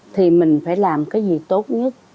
thì mình phải làm cái gì tốt nhất